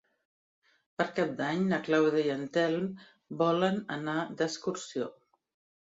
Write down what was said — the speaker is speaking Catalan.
Per Cap d'Any na Clàudia i en Telm volen anar d'excursió.